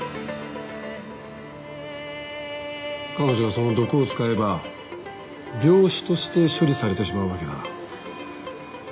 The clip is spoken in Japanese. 彼女がその毒を使えば病死として処理されてしまうわけだ。